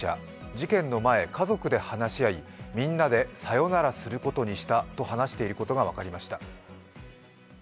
事件の前、家族で話し合い、みんなでさよならすることにしたと話していたことが分かりました。